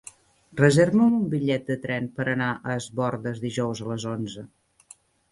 Reserva'm un bitllet de tren per anar a Es Bòrdes dijous a les onze.